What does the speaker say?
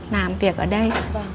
làm việc ở đây